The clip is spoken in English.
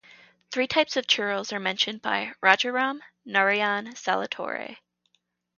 Three types of Churels are mentioned by "Rajaram Narayan Saletore".